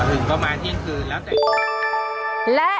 ถึงประมาณเที่ยงคืนแล้วแต่